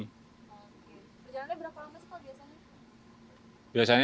perjalanannya berapa lama sih pak biasanya